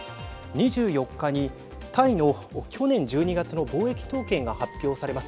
２４日にタイの去年１２月の貿易統計が発表されます。